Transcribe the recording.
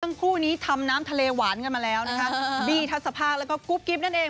ทั้งคู่นี้ทำน้ำทะเลหวานกันมาแล้วนะคะบี้ทัศภาคแล้วก็กุ๊บกิ๊บนั่นเอง